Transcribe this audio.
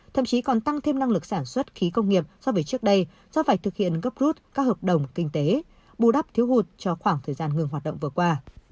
thậm chí còn tăng thêm năng lực sản xuất khí công nghiệp so với trước đây do phải thực hiện gấp rút các hợp đồng kinh tế bù đắp thiếu hụt cho khoảng thời gian ngừng hoạt động vừa qua